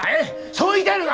そう言いたいのか！？